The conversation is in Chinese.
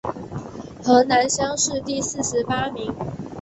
河南乡试第四十八名。